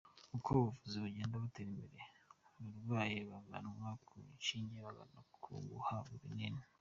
Uko ubuvuzi bugenda butera imbere, abarwayi bavanwa ku nshinge bagana ku guhabwa ibinini.